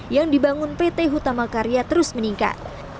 yang dibangun pt hutama karya terus meningkat